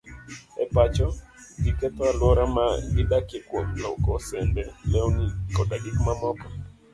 E pacho, ji ketho alwora ma gidakie kuom lwoko sende, lewni, koda gik mamoko.